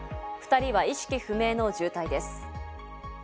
２人は意識不明の重体です。